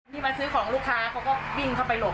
ที่มาซื้อของลูกค้าเขาก็วิ่งเข้าไปหลบ